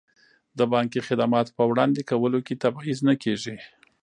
د بانکي خدماتو په وړاندې کولو کې تبعیض نه کیږي.